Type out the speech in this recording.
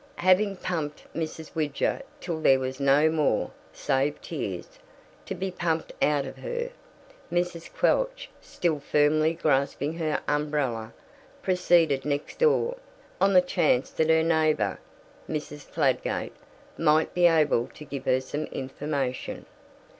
Having pumped Mrs. Widger till there was no more (save tears) to be pumped out of her, Mrs. Quelch, still firmly grasping her umbrella, proceeded next door, on the chance that her neighbour, Mrs. Fladgate, might be able to give her some information.